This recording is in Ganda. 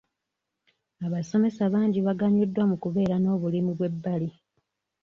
Abasomesa bangi baganyuddwa mu kubeera n'obulimu bw'ebbali.